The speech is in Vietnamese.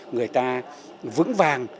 người ta vững vàng